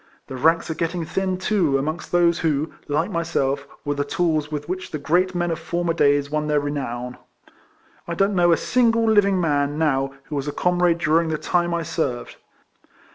The ranks are getting thin, too, amongst those who, like myself, were the tools with which the great men of former days won their renown. I don't know a single living man now who was a comrade during the time I served.